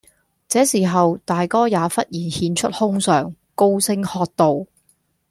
這時候，大哥也忽然顯出凶相，高聲喝道，